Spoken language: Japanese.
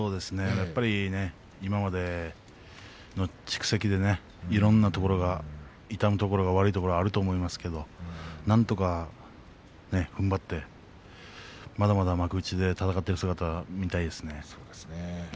やっぱり今までの蓄積でいろんな痛むところ悪いところはあると思いますけれど、なんとかふんばってまだまだ幕内で戦っている姿を見たいですね。